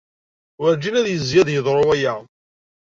Werǧin ad yezzi ad yeḍru waya.